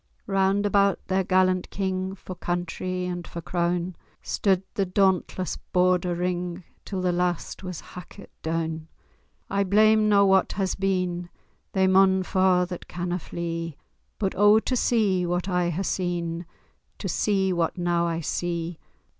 Round about their gallant king, For country and for croun, Stude the dauntless Border ring, Till the last was hackit doun. I blame na what has been— They maun fa' that canna flee— But oh, to see what I hae seen, To see what now I see!